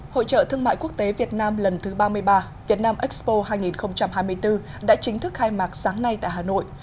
hội trợ thương mại quốc tế việt nam lần thứ ba mươi ba việt nam expo hai nghìn hai mươi bốn đã chính thức khai mạc sáng nay tại hà nội